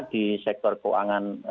di sektor keuangan